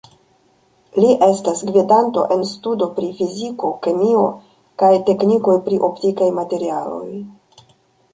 Li estas gvidanto en studo pri fiziko, kemio kaj teknikoj pri optikaj materialoj.